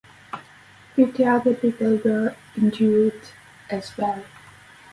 Fifty other people were injured as well.